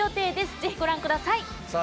ぜひご覧ください。